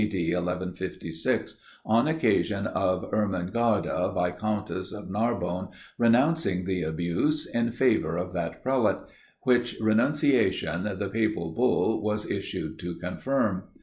D. 1156,) on occasion of Ermengarda, Viscountess of Narbonne, renouncing the abuse in favour of that prelate, which renunciation, the papal bull was issued to confirm.